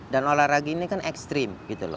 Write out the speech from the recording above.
dan olahraga ini kan ekstrim